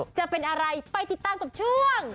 จะเป็นอะไรไปติดตามกับช่วง